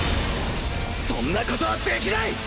そんなことはできない！